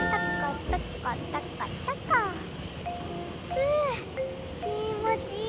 ふぅきもちいい！